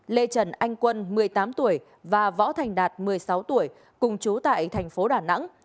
lê trần anh quân một mươi tám tuổi và võ thành đạt một mươi sáu tuổi cùng chú tại thành phố đà nẵng